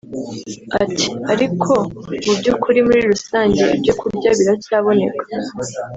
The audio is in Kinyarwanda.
Ati «Ariko mu by’ukuri muri rusange ibyo kurya biracyaboneka